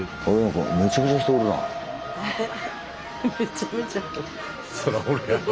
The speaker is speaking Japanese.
めちゃめちゃって。